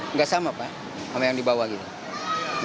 nggak sama pak sama yang di bawah gitu